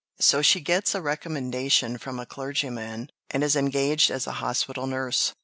So she gets a recommendation from a clergyman, and is engaged as a Hospital Nurse."